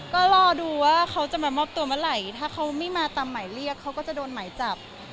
ก็รอดูว่าเขาจะมามอบตัวเมื่อไหร่ถ้าเขาไม่มาตามหมายเรียกเขาก็จะโดนหมายจับ